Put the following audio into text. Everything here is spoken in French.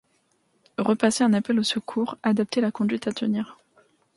Repasser un appel aux secours, adapter la conduite à tenir.